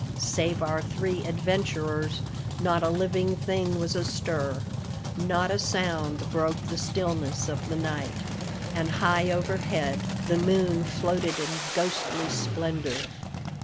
Save our three adventurers, not a living thing was astir; not a sound broke the stillness of the night; and high overhead the moon floated in ghostly splendour.